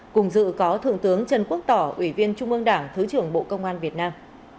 cùng dự có thượng tướng trần quốc tỏ ủy viên trung ương đảng thứ trưởng bộ công an việt nam